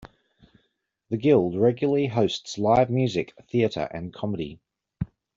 The Guild regularly hosts live music, theatre and comedy.